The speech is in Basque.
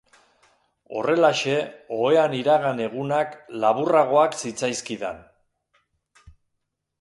Horrelaxe, ohean iragan egunak laburragoak zitzaizkidan.